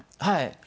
はい。